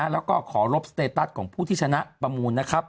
แล้วก็ขอลบสเตตัสของผู้ที่ชนะประมูลนะครับ